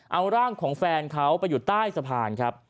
เอาร่างของแฟนเขาไปอยู่ใต้สะพานครับ